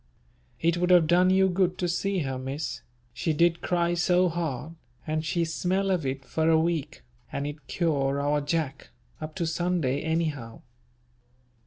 It would have done you good to see her Miss, she did cry so hard, and she smell of it for a week, and it cure our Jack, up to Sunday anyhow.